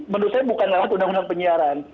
menurut saya bukanlah undang undang penyiaran